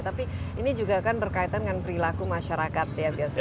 tapi ini juga kan berkaitan dengan perilaku masyarakat ya biasanya